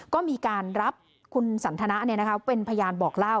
ก็มีการรับคุณสันทนะเป็นพยานบอกเล่า